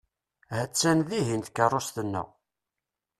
Ha-tt-an dihin tkeṛṛust-nneɣ.